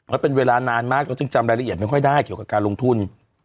แล้วเป็นเวลานานมากเราจึงจำรายละเอียดไม่ค่อยได้เกี่ยวกับการลงทุน